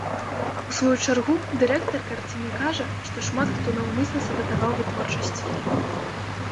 У сваю чаргу, дырэктар карціны кажа, што шмат хто наўмысна сабатаваў вытворчасць фільма.